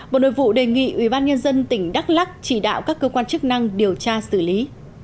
bộ nội vụ đề nghị ubnd tỉnh đắk lắc chỉ đạo các cơ quan chức năng điều tra xử lý